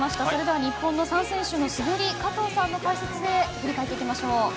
それでは日本の３選手の滑り加藤さんの解説で振り返っていきましょう。